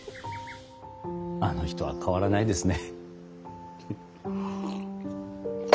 あの人は変わらないですね。